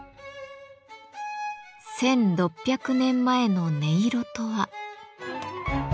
１，６００年前の音色とは。